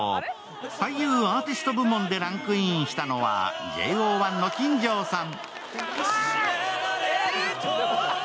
俳優アーティスト部門でランクインしたのはＪＯ１の金城さん。